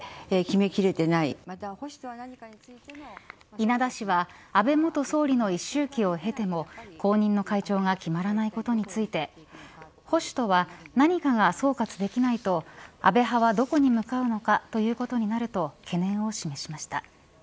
稲田氏は安倍元総理の一周忌を経ても後任の会長が決まらないことについて保守とは何かが総括できないと安倍派はどこに向かうのかということになると懸念を示しました。